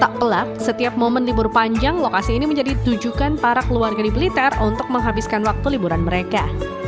tak pelak setiap momen libur panjang lokasi ini menjadi tujukan para keluarga di blitar untuk menghabiskan waktu liburan mereka